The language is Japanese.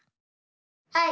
はい！